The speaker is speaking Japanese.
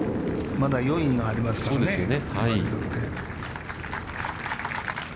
まだ４位がありますからね。